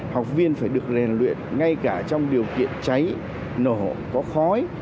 học viên phải được lèn luyện ngay cả trong điều kiện cháy nổ có khói